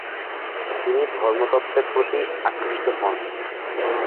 তিনি ধর্মতত্ত্বের প্রতি আকৃষ্ট হন।